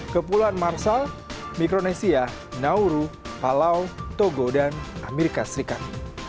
kepulauan marsal mikronesia nauru palau togo dan amerika serikat